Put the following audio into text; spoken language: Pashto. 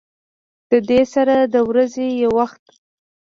د دې سره د ورځې يو وخت